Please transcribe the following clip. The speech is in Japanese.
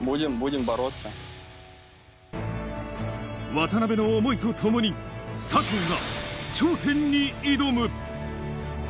渡辺の思いとともに、佐藤が頂点に挑む。